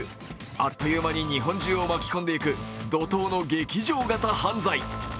あっという間に日本中を巻き込んでいく怒とうの劇場型犯罪。